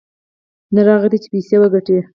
نر هغه دى چې پيسې وگټي.